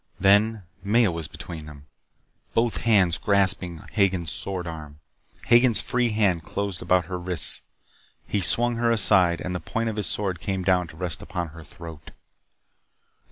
Then Maya was between them, both hands grasping Hagen's sword arm. Hagen's free hand closed about her wrists. He swung her aside and the point of his sword came down to rest upon her throat.